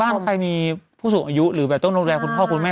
ใครมีผู้สูงอายุหรือแบบต้องดูแลคุณพ่อคุณแม่